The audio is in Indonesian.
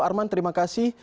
arman terima kasih